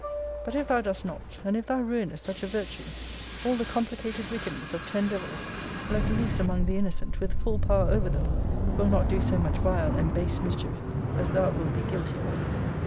But if thou dost not, and if thou ruinest such a virtue, all the complicated wickedness of ten devils, let loose among the innocent with full power over them, will not do so much vile and base mischief as thou wilt be guilty of.